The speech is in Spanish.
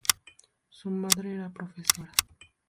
Su madre era profesora.